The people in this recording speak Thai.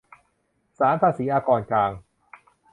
ศาลภาษีอากรกลาง